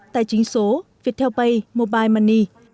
tài chính số viettel pay mobile money